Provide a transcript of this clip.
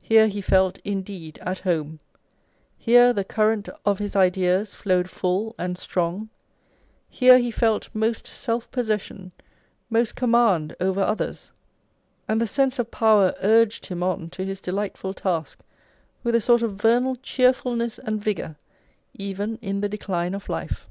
Here he felt indeed at home ; here the current of his ideas flowed full and strong ; here he felt most self possession, most command over others; and the sense of power urged him on to his delightful task with a sort of vernal cheerfulness and vigour, even in the decline of life.